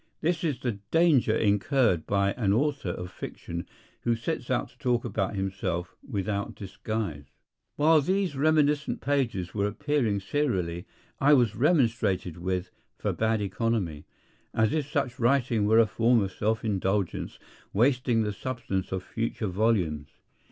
This is the danger incurred by an author of fiction who sets out to talk about himself without disguise. While these reminiscent pages were appearing serially I was remonstrated with for bad economy; as if such writing were a form of self indulgence wasting the substance of future volumes.